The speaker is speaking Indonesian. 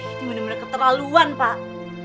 ini benar benar keterlaluan pak